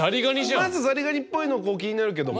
まずザリガニっぽいの気になるけども。